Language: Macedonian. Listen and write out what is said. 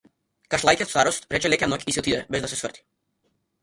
Кашлајќи од старост, рече лека ноќ и си отиде, без да се сврти.